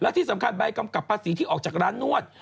ที่สำคัญใบกำกับภาษีที่ออกจากร้านนวด